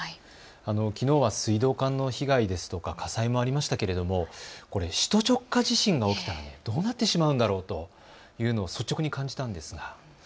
きのうは水道管の被害ですとか火災もありましたが首都直下地震が起きたらどうなってしまうんだろうという、そういうことも感じました。